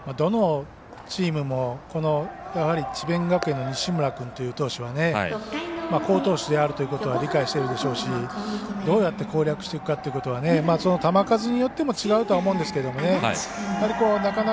どのチームもやはり智弁学園の西村君という投手は好投手であるということは理解しているでしょうしどうやって攻略していくかということは球数によっても違うとは思うんですけどね。